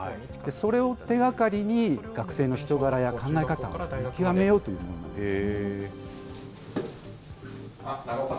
それを手がかりに、学生の人柄や考え方を見極めようというものですね。